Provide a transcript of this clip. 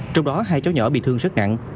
trong đó hai cháu nhỏ bị thương rất nặng